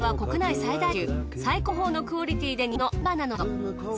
最高峰のクオリティーで人気のなばなの里。